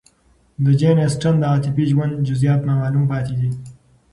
د جین اسټن د عاطفي ژوند جزئیات نامعلوم پاتې دي.